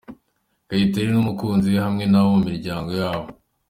Kayitare n'umukunzi we hamwe n'abo mu miryango yabo.